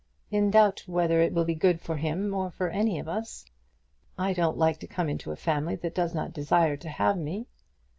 "In doubt whether it will be good for him or for any of us. I don't like to come into a family that does not desire to have me."